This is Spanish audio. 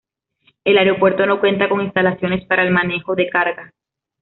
El aeropuerto no cuenta con instalaciones para el manejo de carga.